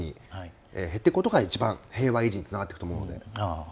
減っていくことが一番平和維持につながっていくと思うので。